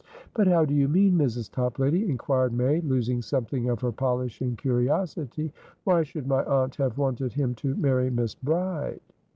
"But how do you mean, Mrs. Toplady?" inquired May, losing something of her polish in curiosity. "Why should my aunt have wanted him to marry Miss Bride?"